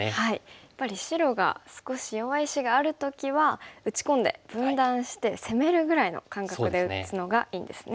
やっぱり白が少し弱い石がある時は打ち込んで分断して攻めるぐらいの感覚で打つのがいいんですね。